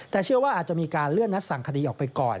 แต่เชื่อว่าอาจจะมีการเลื่อนนัดสั่งคดีออกไปก่อน